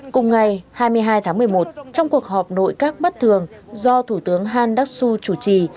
cùng ngày hai mươi hai tháng một mươi một trong cuộc họp nội các bất thường do thủ tướng han đắc xu chủ trì